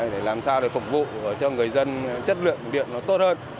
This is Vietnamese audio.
để làm sao để phục vụ cho người dân chất lượng điện nó tốt hơn